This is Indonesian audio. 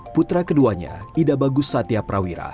putra keduanya ida bagus satya prawira